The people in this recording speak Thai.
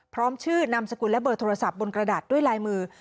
พร้อมชื่อนามสกุลและเบอร์โทรศัพท์บนกระดาษด้วยลายมือ